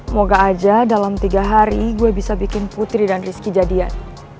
moga aja dalam tiga hari gue bisa bikin putri dan rizky jadian